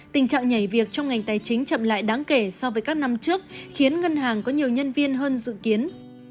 tình trạng nhảy việc trong ngành tài chính chậm lại đáng kể so với các năm trước khiến ngân hàng có nhiều nhân viên hơn dự kiến